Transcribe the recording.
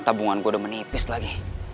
tabungan gue udah menipis lagi